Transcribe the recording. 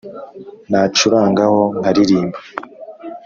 nacurangaho nkalilimba